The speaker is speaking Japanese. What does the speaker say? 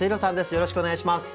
よろしくお願いします。